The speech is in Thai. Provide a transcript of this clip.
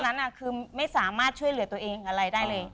นั้นคือไม่สามารถช่วยเหลือตัวเองอะไรได้เลย